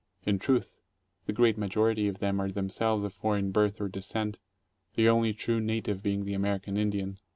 In truth, the great majority of them are themselves of foreign birth or descent, the only true native being the American Indian.